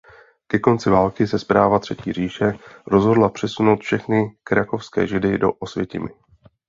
Ke konci války se správa Třetí říše rozhodla přesunout všechny krakovské Židy do Osvětimi.